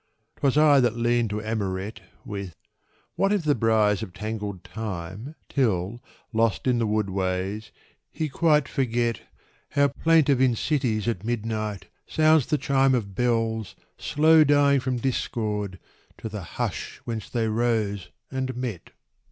'TWas I that leaned to Amoret With: "What if the briars have tangled Time, Till, lost in the wood ways, he quite forget How plaintive in cities at midnight sounds the chime Of bells slow dying from discord to the hush whence they rose and met.